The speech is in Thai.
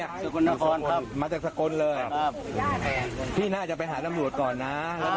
พี่หนึ่งน่าจะไปหาตำรวจก่อนน้ะ